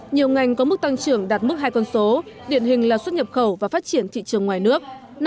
nhiều ngành có mức tăng trưởng đạt mức hai con số điển hình là xuất nhập khẩu và phát triển thị trường ngoài nước